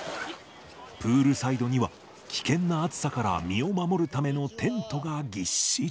プールサイドには、危険な暑さから身を守るためのテントがぎっしり。